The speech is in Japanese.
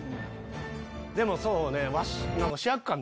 でもそうね。